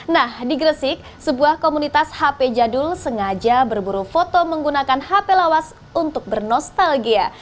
nah di gresik sebuah komunitas hp jadul sengaja berburu foto menggunakan hp lawas untuk bernostalgia